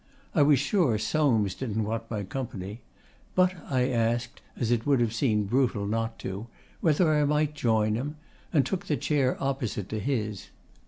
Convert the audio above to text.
I was sure Soames didn't want my company; but I asked, as it would have seemed brutal not to, whether I might join him, and took the chair opposite to his.